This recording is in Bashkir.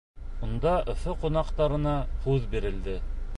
Унда Өфө ҡунаҡтарына һүҙ бирелде.